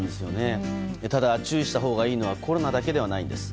ただ、注意したほうがいいのはコロナだけではないんです。